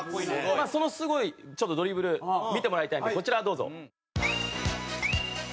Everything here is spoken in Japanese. そのすごいドリブル見てもらいたいんでこちらどうぞ。